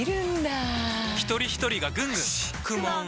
ひとりひとりがぐんぐん！よし！